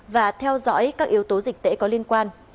và theo dõi các yếu tố dịch tễ có liên quan